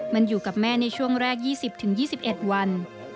มันอยู่กับแม่ในช่วงแรก๒๐๒๑วัน